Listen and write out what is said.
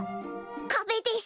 壁です。